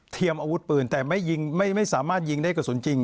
อาวุธปืนแต่ไม่ยิงไม่สามารถยิงได้กระสุนจริง